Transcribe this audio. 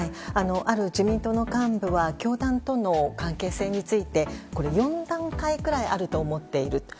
ある自民党の幹部は教団との関係性について４段階くらいあると思っていると。